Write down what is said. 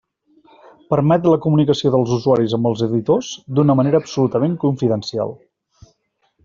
Permet la comunicació dels usuaris amb els editors d'una manera absolutament confidencial.